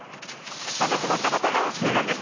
また止まったまた直す時間です。